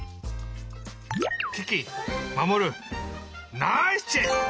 キキマモルナイスチェック！